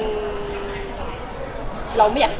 คงเป็นแบบเรื่องปกติที่แบบ